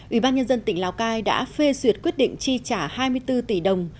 ủy ban nhân dân tỉnh lào cai đã phê duyệt quyết định chi trả hai mươi bốn tỷ đồng